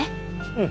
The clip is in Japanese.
うん。